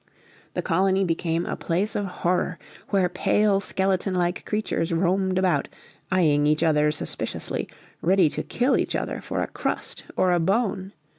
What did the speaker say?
The colony became a place of horror, where pale skeleton like creatures roamed about eyeing each other suspiciously, ready to kill each other for a crust or a bone.